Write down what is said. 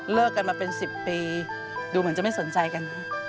กันมาเป็น๑๐ปีดูเหมือนจะไม่สนใจกัน